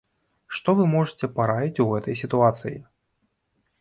Што вы можаце параіць у гэтай сітуацыі?